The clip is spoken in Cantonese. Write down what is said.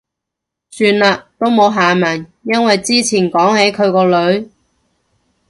算喇，都冇下文。因為之前講起佢個女